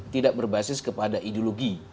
tidak berbasis kepada ideologi